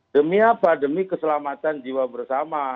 demi apa demi keselamatan jiwa bersama